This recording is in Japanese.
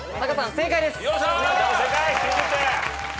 正解です。